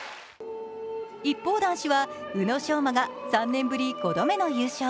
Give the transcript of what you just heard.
一方、男子は宇野昌磨が３年ぶり５度目の優勝。